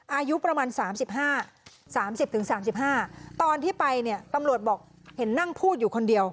อายุประมาณสามสิบห้าสามสิบถึงสามสิบห้าตอนที่ไปเนี่ยตำรวจบอกเห็นนั่งพูดอยู่คนเดียว